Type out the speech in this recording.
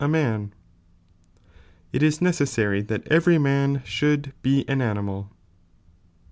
a. man It il necesMry ihal e\ety man ehoald be an animal.